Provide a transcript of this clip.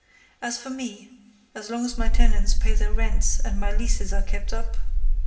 As for me, as long as my tenants pay their rents and my leases are kept up—!